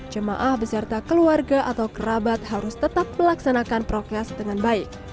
jemaah beserta keluarga atau kerabat harus tetap melaksanakan prokes dengan baik